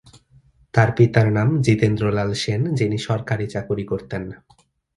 তার পিতার নাম জিতেন্দ্র লাল সেন যিনি সরকারি চাকুরী করতেন।